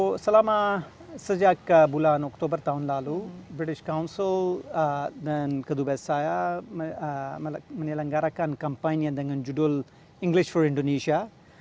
jadi selama sejak bulan oktober tahun lalu british council dan kedubes saya menelankan kampanye dengan judul english for indonesia